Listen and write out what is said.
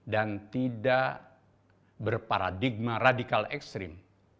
dan tidak berparadigma radikal ekstrim